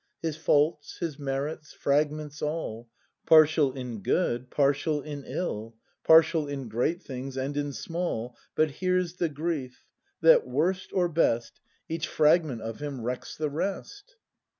His faults, his merits, fragments all, Partial in good, partial in ill. Partial in great things and in small; — But here's the grief — that, worst or best. Each fragment of him wrecks the rest!